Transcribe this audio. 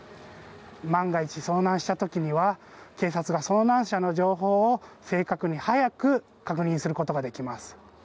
万が一、遭難したときには警察が遭難者の情報を正確に早く確認することができます。